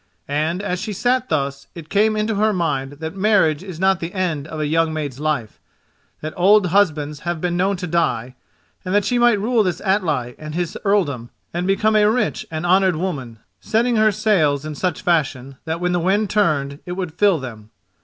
And as she sat thus, it came into her mind that marriage is not the end of a young maid's life—that old husbands have been known to die, and that she might rule this Atli and his earldom and become a rich and honoured woman, setting her sails in such fashion that when the wind turned it would fill them.